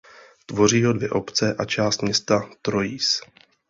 Tvoří ho dvě obce a část města Troyes.